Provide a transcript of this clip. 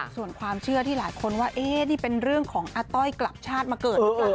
ส่วนความเชื่อที่หลายคนว่านี่เป็นเรื่องของอาต้อยกลับชาติมาเกิดหรือเปล่า